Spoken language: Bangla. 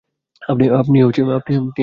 আপনি একদম ঠিক।